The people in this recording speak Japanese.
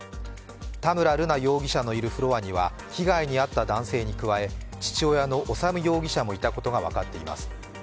田村瑠奈容疑者のいるフロアには被害に遭った男性に加え父親の治容疑者もいたことが分かっています。